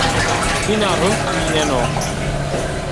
Hîna rind vîneno